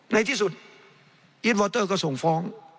ในที่สุดอีทวอเตอร์ก็ส่งฟ้อง